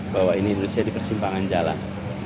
bahwa ini indonesia di persimpangan jalan